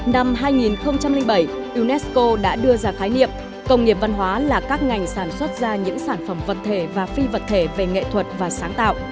năm hai nghìn bảy unesco đã đưa ra khái niệm công nghiệp văn hóa là các ngành sản xuất ra những sản phẩm vật thể và phi vật thể về nghệ thuật và sáng tạo